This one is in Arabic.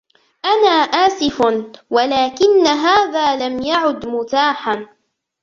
أنا آسف ، ولكن هذا لم يعد متاحاً.